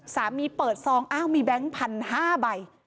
เปิดซองอ้าวมีแบงค์พันห้าใบ